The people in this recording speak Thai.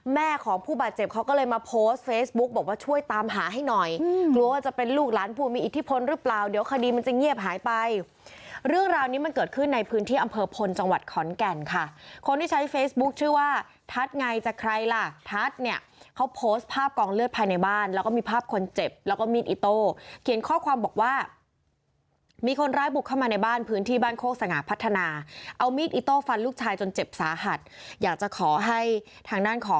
แม่ของผู้บาดเจ็บเขาก็เลยมาโพสต์เฟซบุ๊กบอกว่าช่วยตามหาให้หน่อยกลัวว่าจะเป็นลูกหลานผู้มีอิทธิพลหรือเปล่าเดี๋ยวคดีมันจะเงียบหายไปเรื่องราวนี้มันเกิดขึ้นในพื้นที่อำเภอพลจังหวัดขอนแก่นค่ะคนที่ใช้เฟซบุ๊กชื่อว่าทัดไงจะใครล่ะทัดเนี่ยเขาโพสต์ภาพกองเลือดภายในบ้านแล้วก็